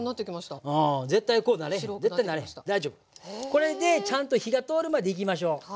これでちゃんと火が通るまでいきましょう。